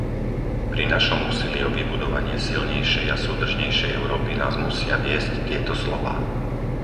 Pri našom úsilí o vybudovanie silnejšej a súdržnejšej Európy nás musia viesť tieto slová.